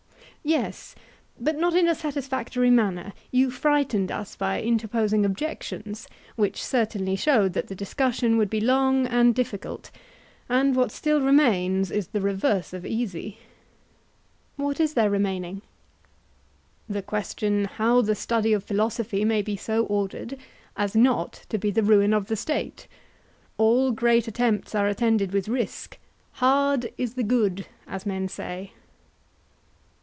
Yes, but not in a satisfactory manner; you frightened us by interposing objections, which certainly showed that the discussion would be long and difficult; and what still remains is the reverse of easy. What is there remaining? The question how the study of philosophy may be so ordered as not to be the ruin of the State: All great attempts are attended with risk; 'hard is the good,' as men say.